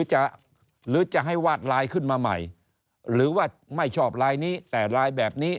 หรือจะให้วาดไลน์ขึ้นมาใหม่หรือว่าไม่ชอบลายนี้แต่ลายแบบนี้